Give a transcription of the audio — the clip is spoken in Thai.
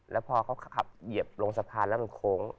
แล้วพอเขาขับเหยียบลงสะพานแล้วมันโค้ง